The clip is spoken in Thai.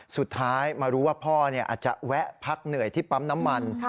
สุดท้ายมารู้ว่าพ่ออาจจะแวะพักเหนื่อยที่ปั๊มน้ำมัน